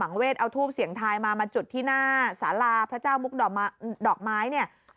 เวทเอาทูปเสียงทายมามาจุดที่หน้าสาราพระเจ้ามุกดอกไม้เนี่ย